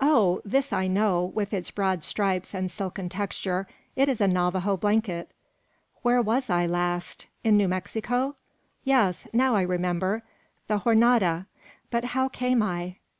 Oh! this I know, with its broad stripes and silken texture; it is a Navajo blanket! Where was I last? In New Mexico? Yes. Now I remember: the Jornada! but how came I?